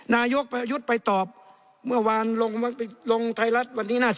นายกประยุทธ์ไปตอบเมื่อวานลงไทยรัฐวันนี้น่าจะ